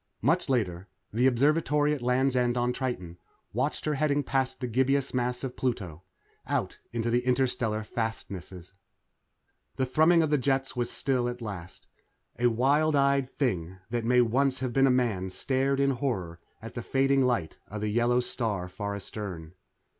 Much later, the Observatory at Land's End on Triton watched her heading past the gibbous mass of Pluto out into the interstellar fastnesses. The thrumming of the jets was still at last. A wild eyed thing that may once have been a man stared in horror at the fading light of the yellow star far astern.